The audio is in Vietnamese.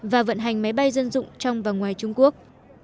và vận hành máy bay dân dụng trong và ngoài trung quốc